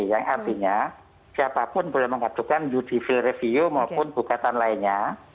yang artinya siapapun boleh menghadukan judi judi review maupun gugatan lainnya